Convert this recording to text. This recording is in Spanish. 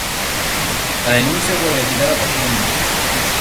La denuncia fue retirada posteriormente.